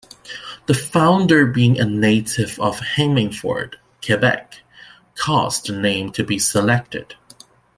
The founder being a native of Hemmingford, Quebec, caused the name to be selected.